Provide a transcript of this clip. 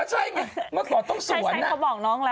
ใช่เขาบอกน้องละต้องสวน